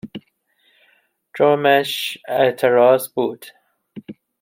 جرمش اعتراض بود